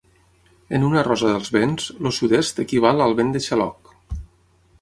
En una rosa dels vents, el sud-est equival al vent de Xaloc.